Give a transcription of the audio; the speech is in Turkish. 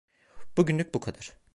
Bugünlük bu kadar.